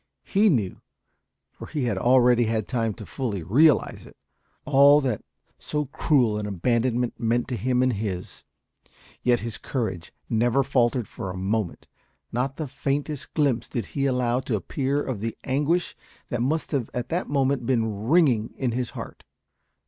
He knew for he had already had time to fully realise it all that so cruel an abandonment meant to him and his; yet his courage never faltered for a moment; not the faintest glimpse did he allow to appear of the anguish that must have at that moment been wringing his heart.